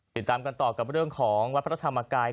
ติดตามกันต่อกับเรื่องของวัดพระธรรมกาย